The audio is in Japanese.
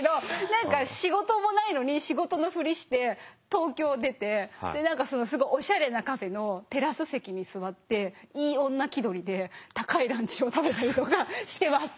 何か仕事もないのに仕事のふりして東京出て何かすごいおしゃれなカフェのテラス席に座っていい女気取りで高いランチを食べたりとかしてます。